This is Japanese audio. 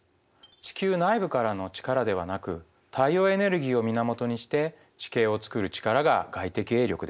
地球内部からの力ではなく太陽エネルギーを源にして地形をつくる力が外的営力です。